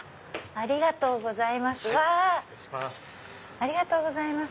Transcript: ありがとうございます。